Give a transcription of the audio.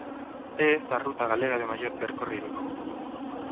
É esta a ruta galega de maior percorrido.